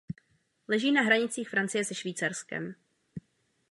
Leží na hranicích Francie se Švýcarskem.